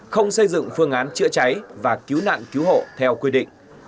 không xây dựng phương án chữa cháy và cứu nạn cứu hộ theo quy định